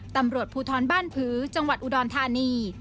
ตำรวจภูทรบ้านผือจังหวัดอุดรธานี